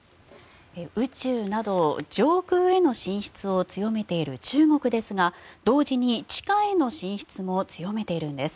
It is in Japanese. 宇宙など上空への進出を強めている中国ですが同時に地下への進出も強めているんです。